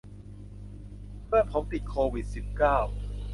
เพื่อนผมติดโควิดสิบเก้า